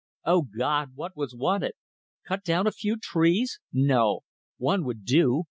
O God! What was wanted? Cut down a few trees. No! One would do.